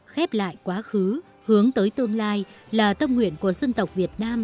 khép lại quá khứ hướng tới tương lai là tâm nguyện của dân tộc việt nam